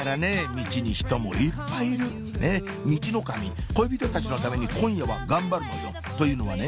ミチに人もいっぱいいるミチノカミ恋人たちのために今夜は頑張るのよというのはね